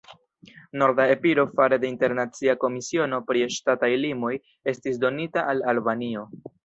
Norda Epiro fare de internacia komisiono pri ŝtataj limoj estis donita al Albanio.